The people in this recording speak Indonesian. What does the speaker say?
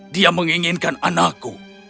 dia menginginkan anakku